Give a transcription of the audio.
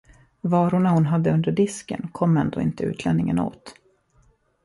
Varorna hon hade under disken kom ändå inte utlänningen åt.